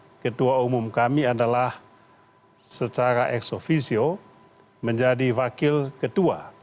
dan mas ahaye ketua umum kami adalah secara ex officio menjadi wakil ketua